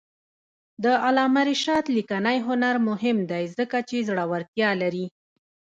د علامه رشاد لیکنی هنر مهم دی ځکه چې زړورتیا لري.